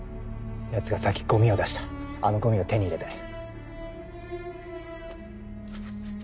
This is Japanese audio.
ヤツがさっきゴミを出したあのゴミを手に入れたい。